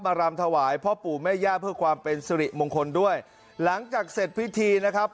รำถวายพ่อปู่แม่ย่าเพื่อความเป็นสิริมงคลด้วยหลังจากเสร็จพิธีนะครับ